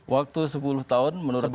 waktu sepuluh tahun menurut saya